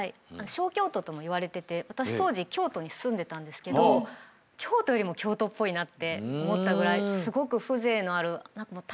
小京都とも言われてて私当時京都に住んでたんですけど京都よりも京都っぽいなって思ったぐらいすごく風情のあるきれいなとこですね。